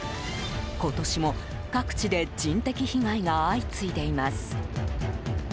今年も各地で人的被害が相次いでいます。